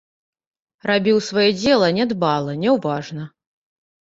Рабіў сваё дзела нядбала, няўважна.